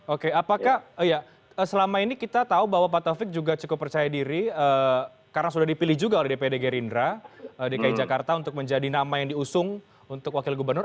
oke apakah selama ini kita tahu bahwa pak taufik juga cukup percaya diri karena sudah dipilih juga oleh dpd gerindra dki jakarta untuk menjadi nama yang diusung untuk wakil gubernur